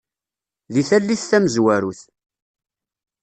Di tallit tamezwarut.